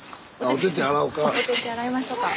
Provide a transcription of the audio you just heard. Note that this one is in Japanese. お手々洗いましょうか。